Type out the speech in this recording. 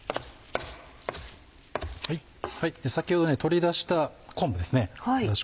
先ほど取り出した昆布ですねだし